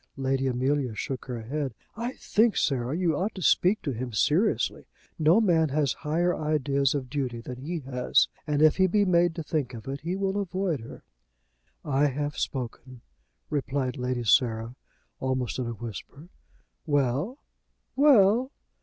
Lady Amelia shook her head. "I think, Sarah, you ought to speak to him seriously. No man has higher ideas of duty than he has; and if he be made to think of it, he will avoid her." "I have spoken," replied Lady Sarah, almost in a whisper. "Well!" "Well!"